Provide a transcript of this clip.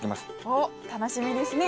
おっ楽しみですね。